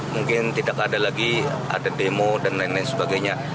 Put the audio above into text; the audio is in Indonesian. mungkin tidak ada lagi ada demo dan lain lain sebagainya